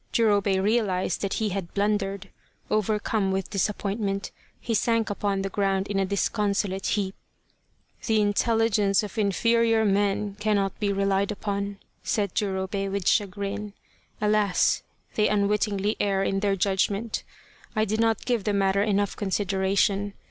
Jurobei realized that he had blundered. Overcome with disappointment, he sank upon the ground in a disconsolate heap. " The intelligence of inferior men cannot be relied upon," said Jurobei with chagrin. " Alas, they un wittingly err in their judgment. I did not give the matter enough consideration.